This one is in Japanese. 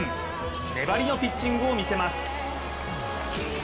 粘りのピッチングを見せます。